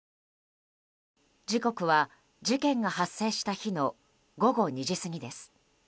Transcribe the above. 時刻は事件が発生した日の午後２時過ぎです。